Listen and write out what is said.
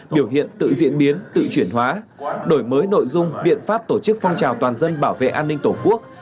biểu hiện tự diễn biến tự chuyển hóa đổi mới nội dung biện pháp tổ chức phong trào toàn dân bảo vệ an ninh tổ quốc